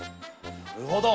なるほど！